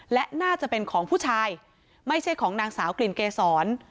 และน่าจะเป็นของผู้ชายไม่ใช่ของนางสาวกลิ่นเกษร